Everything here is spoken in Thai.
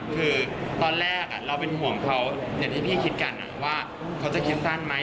คือตอนแรกเราเป็นห่วงเขาอย่างที่พี่คิดกันว่าเขาจะคิดสั้นไหม